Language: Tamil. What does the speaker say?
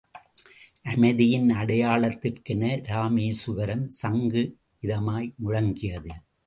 அமைதியின் அடையாளத்திற்கென இராமேசுவரம் சங்கு இதமாய் முழங்கியது.